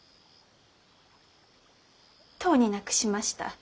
とうに亡くしました。